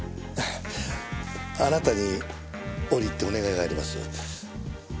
あなたに折り入ってお願いがあります。